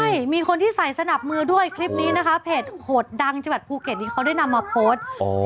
ใช่มีคนที่ใส่สนับมือด้วยคลิปนี้นะคะเพจโหดดังจังหวัดภูเก็ตที่เขาได้นำมาโพสต์